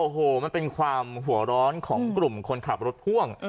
โอ้โหมันเป็นความหัวร้อนของกลุ่มคนขับรถพ่วง